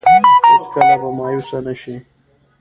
هېڅ کله به مايوسه نه شي.